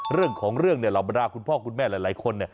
เรื่องของเรื่องเราบรรดาคุณพ่อคุณแม่หลายคน